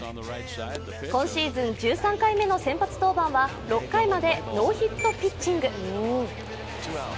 今シーズン１３回目の先発登板は６回までノーヒットピッチング。